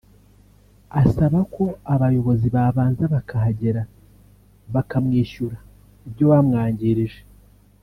asaba ko abayobozi babanza bakahagera bakamwishyura ibyo bamwangirije